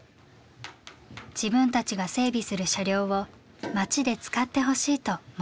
自分たちが整備する車両を町で使ってほしいと持ちかけます。